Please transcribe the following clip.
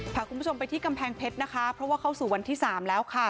พาคุณผู้ชมไปที่กำแพงเพชรนะคะเพราะว่าเข้าสู่วันที่๓แล้วค่ะ